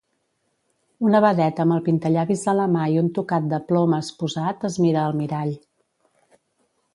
Una vedet amb el pintallavis a la mà i un tocat de plomes posat es mira al mirall